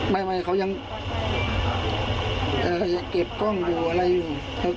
ไม่เขายังเก็บกล้องอยู่อะไรอยู่